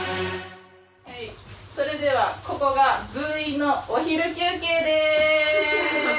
それではここが分院のお昼休憩です！